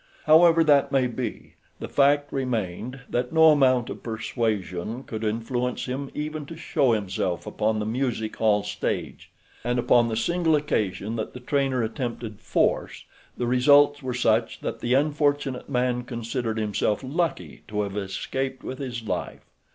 However that may be, the fact remained that no amount of persuasion could influence him even to show himself upon the music hall stage, and upon the single occasion that the trainer attempted force the results were such that the unfortunate man considered himself lucky to have escaped with his life.